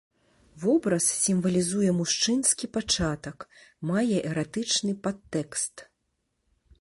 Вобраз сімвалізуе мужчынскі пачатак, мае эратычны падтэкст.